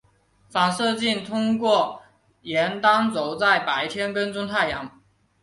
反射镜通过沿单轴在白天跟踪太阳。